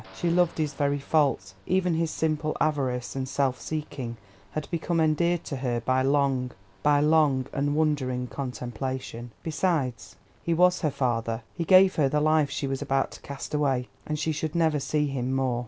She loved his very faults, even his simple avarice and self seeking had become endeared to her by long and wondering contemplation. Besides, he was her father; he gave her the life she was about to cast away. And she should never see him more.